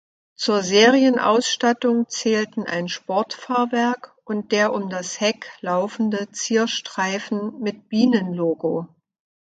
Zur Serienausstattung zählten ein Sportfahrwerk und der um das Heck laufende Zierstreifen mit Bienen-Logo.